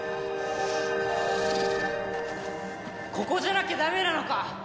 ここじゃなきゃダメなのか！？